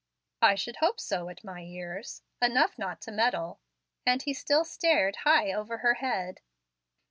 "I should hope so, at my years, enough not to meddle." And he still stared high over her head.